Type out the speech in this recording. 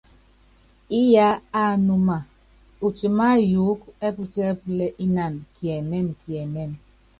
Íyá ánúma, utimáyuúkú ɛ́putíɛpúlɛ́ ínanɔ kiɛmɛ́mɛ kiɛmɛ́mɛ.